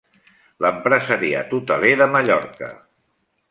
L'empresariat hoteler de Mallorca.